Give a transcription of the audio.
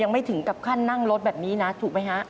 ไม่ถึงกับขั้นนั่งรถแบบนี้นะถูกไหมฮะ